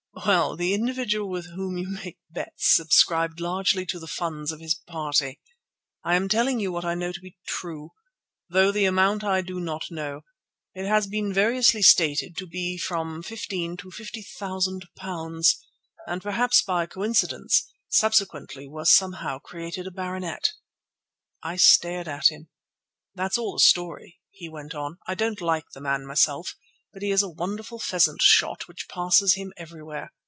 "Well, the individual with whom you make bets subscribed largely to the funds of his party. I am telling you what I know to be true, though the amount I do not know. It has been variously stated to be from fifteen to fifty thousand pounds, and, perhaps by coincidence, subsequently was somehow created a baronet." I stared at him. "That's all the story," he went on. "I don't like the man myself, but he is a wonderful pheasant shot, which passes him everywhere.